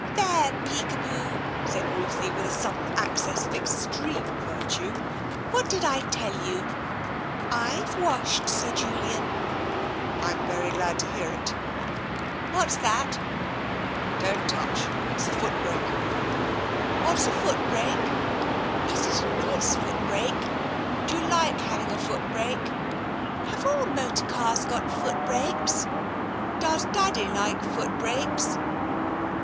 There, Peekaboo," said Ruthie, with a sudden access of extreme virtue. "What did I tell you? I've washed, Sir Julian." '' I am very glad to hear it." '' What's that?" '' Don't touch. It's the foot brake." ^' What's a foot brake ? ^'Is it a nice foot brake? '* Do you like having a foot brake ? ^'Have all motor cars got foot brakes?" '' Does Daddy like foot brakes?